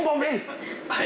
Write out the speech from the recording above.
はい。